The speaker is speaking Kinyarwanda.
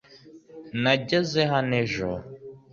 Nageze hano ejo .